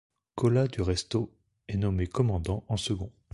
Colas du Resto est nommé commandant en second.